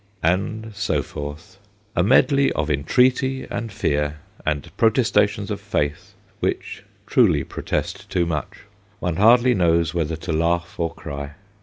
And so forth : a medley of entreaty and fear, and protestations of faith, which truly pro test too much. One hardly knows whether to laugh or cry.